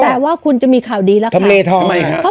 แต่ว่าคุณคือมีข่าวดีแล้วค่ะคือทะมรดย์ทอง